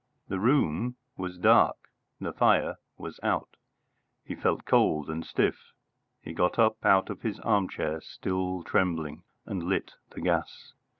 The room was dark, the fire was out; he felt cold and stiff. He got up out of his armchair, still trembling, and lit the gas.